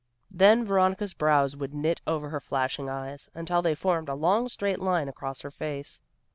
Then Veronica's brows would knit over her flashing eyes, until they formed a long straight line across her face.